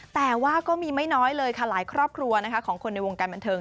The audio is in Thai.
แต่ว่าก็มีไม่น้อยเลยค่ะหลายครอบครัวของคนในวงการบันเทิง